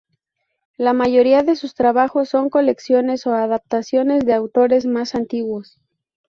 La mayoría de sus trabajos son colecciones o adaptaciones de autores más antiguos.